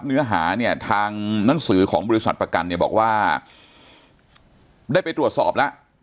เนื้อหาเนี่ยทางหนังสือของบริษัทประกันเนี่ยบอกว่าได้ไปตรวจสอบแล้ว